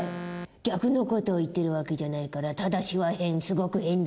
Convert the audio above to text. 逆の事を言ってる訳じゃないから「ただし」は変すごく変だ。